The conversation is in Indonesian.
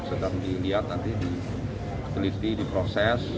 sedang dilihat nanti diteliti diproses